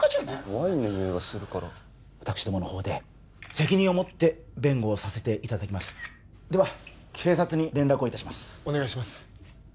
ワインの匂いがするから私共のほうで責任を持って弁護をさせていただきますでは警察に連絡をいたしますお願いします